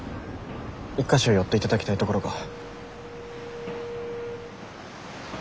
１か所寄っていただきたい所が。